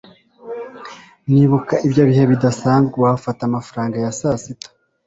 nibuka ibyo bihe bidasanzwe wafata amafaranga ya sasita